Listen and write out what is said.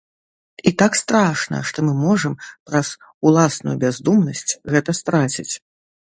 І так страшна, што мы можам, праз уласную бяздумнасць, гэта страціць.